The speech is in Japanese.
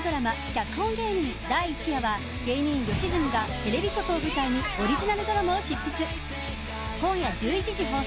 「脚本芸人」第１話は芸人・吉住がテレビ局を舞台にオリジナルドラマを執筆。